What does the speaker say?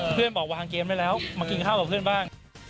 เพื่อนบอกวางเกมได้แล้วมากินข้าวกับเพื่อนบ้าง